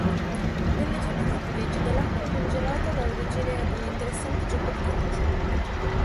Nelle giornate più rigide l'acqua congelata dà origine ad un interessante gioco di ghiaccio.